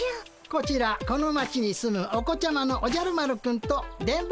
こちらこの町に住むお子ちゃまのおじゃる丸くんと電ボくん。